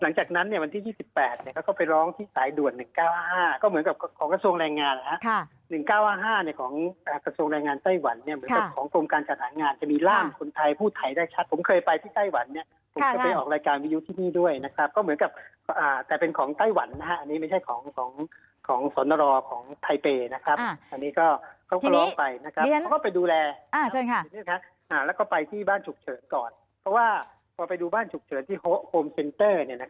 หลังจากนั้นเนี่ยวันที่๒๘เขาก็ไปร้องที่สายด่วน๑๙๕๕ก็เหมือนกับของกระทรวงแรงงานนะครับ๑๙๕๕ของกระทรวงแรงงานไต้หวันเนี่ยเหมือนกับของกรมการจัดหางานจะมีร่างคนไทยผู้ไทยได้ชัดผมเคยไปที่ไต้หวันเนี่ยผมก็ไปออกรายการวิยุที่นี่ด้วยนะครับก็เหมือนกับแต่เป็นของไต้หวันนะครับอันนี้ไม่ใช่ของสอนรอของ